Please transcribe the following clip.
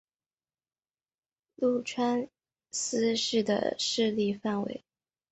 麓川思氏的势力范围。